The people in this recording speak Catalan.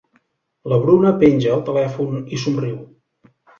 La Bruna penja el telèfon i somriu.